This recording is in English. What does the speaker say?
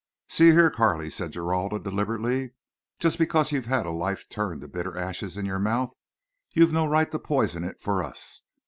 "See here, Carley," said Geralda, deliberately, "just because you've had life turn to bitter ashes in your mouth you've no right to poison it for us.